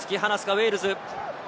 ウェールズ。